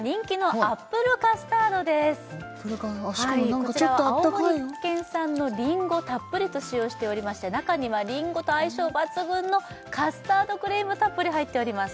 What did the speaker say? こちらは青森県産のリンゴたっぷりと使用しておりまして中にはリンゴと相性抜群のカスタードクリームたっぷり入っております